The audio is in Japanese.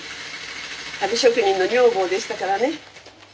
足袋職人の女房でしたからね。